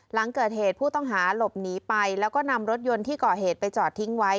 หลังเกิดเหตุผู้ต้องหาหลบหนีไปแล้วก็นำรถยนต์ที่ก่อเหตุไปจอดทิ้งไว้